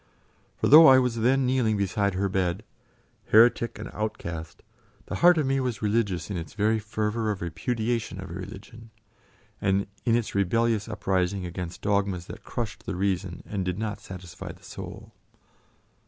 For though I was then kneeling beside her bed, heretic and outcast, the heart of me was religious in its very fervour of repudiation of a religion, and in its rebellious uprising against dogmas that crushed the reason and did not satisfy the soul.